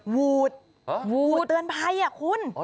วูดวูดเตือนภัยคุณ